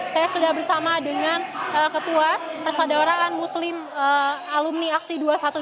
saya sudah bersama dengan ketua persaudaraan muslim alumni aksi dua ratus dua belas